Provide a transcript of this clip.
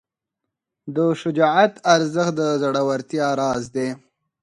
د شجاعت ارزښت د زړورتیا راز دی.